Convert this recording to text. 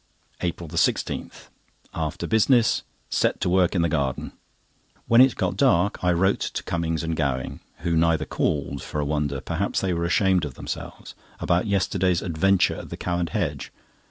APRIL 16.—After business, set to work in the garden. When it got dark I wrote to Cummings and Gowing (who neither called, for a wonder; perhaps they were ashamed of themselves) about yesterday's adventure at "The Cow and Hedge."